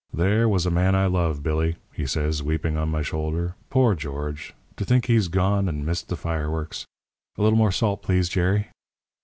'There was a man I love, Billy,' he says, weeping on my shoulder. 'Poor George! To think he's gone, and missed the fireworks. A little more salt, please, Jerry.'